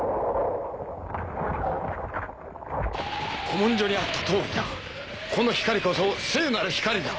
古文書にあった通りだこの光こそ聖なる光だ。